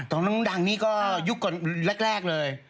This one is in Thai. น้องดังนี่ก็ยุคก่อนแรกเลย